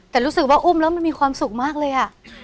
แต่รู้สึกว่าอุ้มแล้วมันมีความสุขมากเลยอ่ะ